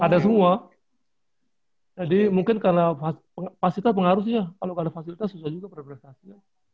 ada semua jadi mungkin karena fasilitas pengharusnya kalau gak ada fasilitas susah juga perprestasi